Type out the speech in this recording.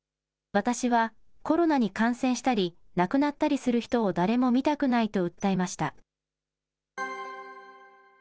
私はコロナに感染したり、亡くなったりする人を誰も見たくないと訴えました。